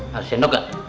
harus sendok gak